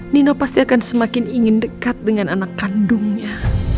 dia akan semakin ingin dekat dengan anak kandungnya